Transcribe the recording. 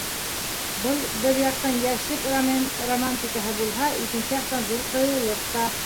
Был, бер яҡтан, йәшлек романтикаһы булһа, икенсе яҡтан, ҙур ҡыйыулыҡ та.